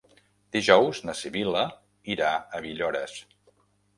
Dijous na Sibil·la irà a Villores.